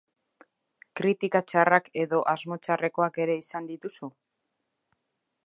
Kritika txarrak edo asmo txarrekoak ere izan dituzu?